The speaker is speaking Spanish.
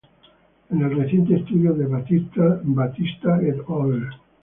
En el reciente estudio de Batista "et al".